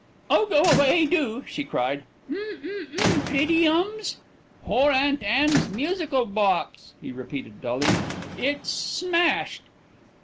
"Oh! go away do!" she cried. "Um um um um prettyums." "Pore Aunt Anne's musical box," he repeated dully. "It's smashed."